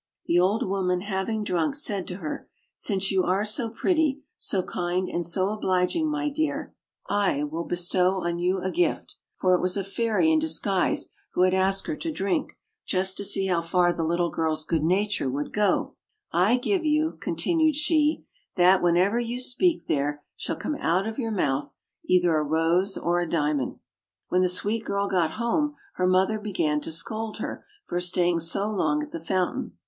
The old woman having drunk, said to her: "Since yon are so pretty, so kind, and so obliging, my dear, I will 78 OLD, OLD FAIR7 TALES. bestow on you a gift" (for it was a fairy in disguise who had asked her to drink, just to see how far the little girl's good nature would go). "I give you/' continued she, "that whenever you speak there shall come out of your mouth either a rose or a diamond." When the sweet girl got home her mother began to scold her for staying so long at the fountain.